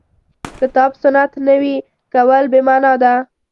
کتاب سنت نوي کول بې معنا ده.